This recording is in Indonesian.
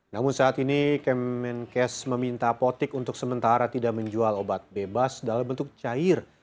namun saat ini kemenkes meminta potik untuk sementara tidak menjual obat bebas dalam bentuk cair